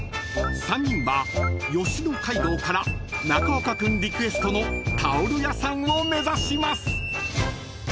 ［３人は吉野街道から中岡君リクエストのタオル屋さんを目指します］